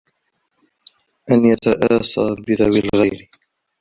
أَنْ يَتَأَسَّى بِذَوِي الْغِيَرِ